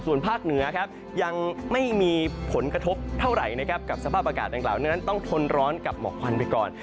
เพราะภาคเหนือยังไม่มีผลกระทบเท่าไหร่กับสภาพอากาศดังเหล่านั้นต้องทนร้อนกับเหมาะควันไปก่อน